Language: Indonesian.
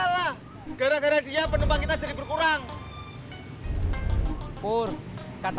bang acong diuber rumah